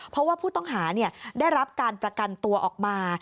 เพราะว่าผู้ต้องหาได้รับการประกันตัวออกมา